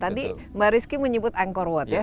tadi mbak rizky menyebut angkor wat ya